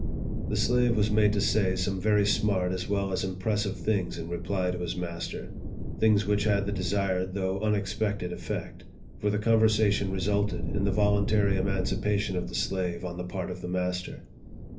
The slave was made to say some very smart as well as impressive things in reply to his master things which had the desired though unexpected effect ; for the conversation resulted in the voluntary emancipation of the slave on the part of the master.